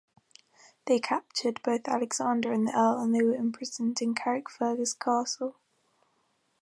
They captured both Alexander and the Earl and they were imprisoned in Carrickfergus Castle.